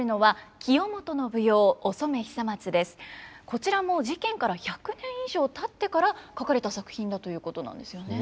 こちらも事件から１００年以上たってから書かれた作品だということなんですよね。